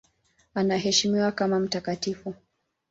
Anaheshimiwa kama mtakatifu.